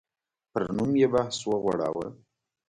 پر نوم یې بحث وغوړاوه.